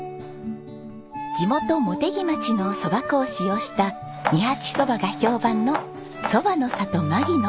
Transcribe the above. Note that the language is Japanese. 地元茂木町のそば粉を使用した二八そばが評判のそばの里まぎの。